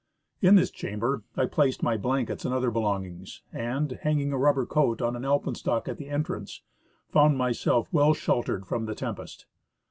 In this chamber I placed my blankets and other belongings, and, hanging a rubber coat on an alpenstock at the entrance, found myself well sheltered from the tempest.